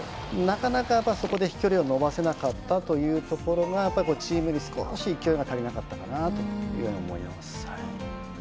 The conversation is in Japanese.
なかなか、そこで飛距離を伸ばせなかったというところがチームに少し勢いが足りなかったかなというような感じがします。